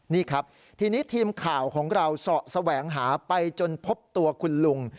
นี่ครับทีนี้ทีมข่าวของเราเสาะแสวงหาไปจนพบตัวคุณลุง